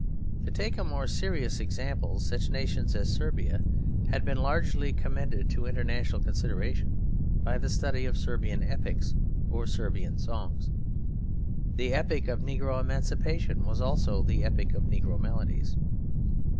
To take a more serious example, such nations as Serbia had been largely commended to international consideration by the study of Serbian epics, or Serbian songs. The epoch of negro emancipation was also the epoch of negro melodies.